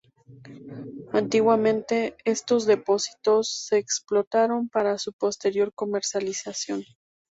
Antiguamente, estos depósitos se explotaron para su posterior comercialización.